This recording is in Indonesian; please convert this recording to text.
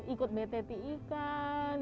ikut metti ikan